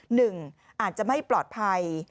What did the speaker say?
หนึ่งอาจจะไม่ปลอดภัย